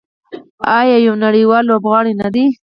آیا یو نړیوال لوبغاړی نه دی؟